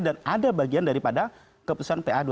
dan ada bagian daripada keputusan pa dua ratus dua belas